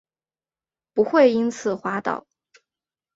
不会因此滑倒